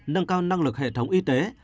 nâng cao năng lực hệ thống y tế